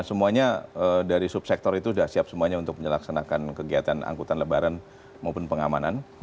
semuanya dari subsektor itu sudah siap semuanya untuk melaksanakan kegiatan angkutan lebaran maupun pengamanan